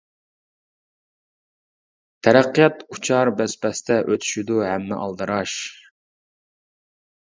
تەرەققىيات ئۇچار بەس-بەستە، ئۆتىشىدۇ ھەممە ئالدىراش.